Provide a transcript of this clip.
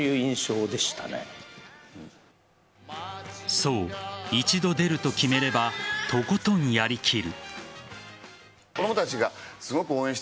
そう、一度出ると決めればとことんやりきる。